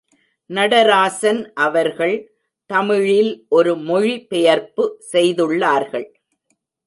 நடராசன் அவர்கள் தமிழில் ஒரு மொழி பெயர்ப்பு செய்துள்ளார்கள்.